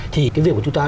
thì cái việc mà chúng ta